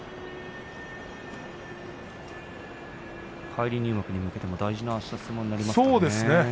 返り入幕に向けても大事な、あす相撲になりますね。